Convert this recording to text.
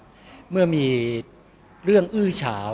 ก็ต้องทำอย่างที่บอกว่าช่องคุณวิชากำลังทำอยู่นั่นนะครับ